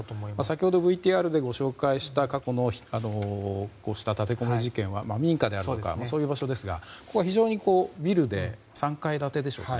先ほどＶＴＲでご紹介した過去の立てこもり事件は民家であるとかそういう場所ですがここは非常に、ビルで３階建てでしょうかね。